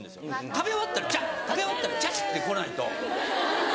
食べ終わったらちゃっ食べ終わったらちゃって来ないと。